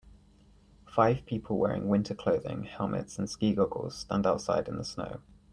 Five people wearing winter clothing, helmets, and ski goggles stand outside in the snow.